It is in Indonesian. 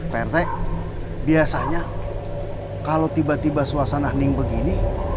prt biasanya kalau tiba tiba suasana hening begini